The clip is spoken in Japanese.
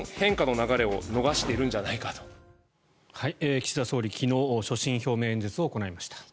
岸田総理、昨日所信表明演説を行いました。